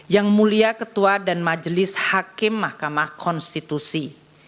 yang mulia ketua dan majelis hakim mahkamah konstitusi